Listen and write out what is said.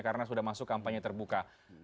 karena sudah masuk kampanye terbuka